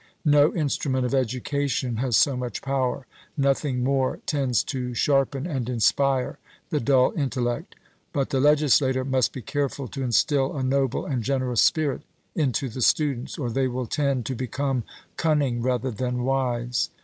No instrument of education has so much power; nothing more tends to sharpen and inspire the dull intellect. But the legislator must be careful to instil a noble and generous spirit into the students, or they will tend to become cunning rather than wise.